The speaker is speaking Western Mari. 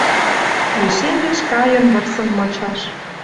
Лишемеш кайын вырсын мычаш.